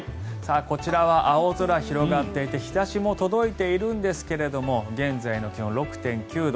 こちらは青空が広がって日差しも届いているんですが現在の気温６．９度。